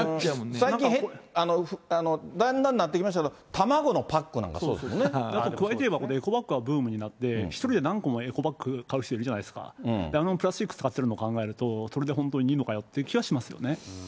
最近、だんだんになってきましたけど、卵のパックなんかそう加えて言えば、エコバッグがブームになって、１人で何個もエコバッグ買う人いるじゃないですか、あのプラスチック使ってるの考えると、それで本当にいいのかよっていう気はしますよね。